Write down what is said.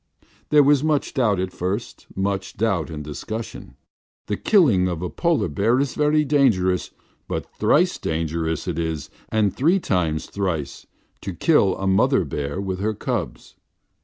There was much doubt at first, much doubt and discussion. The killing of a polar bear is very dangerous, but thrice dangerous is it, and three times thrice, to kill a mother bear with her cubs.